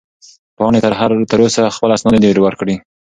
پاڼې تر اوسه خپل اسناد نه دي ورکړي.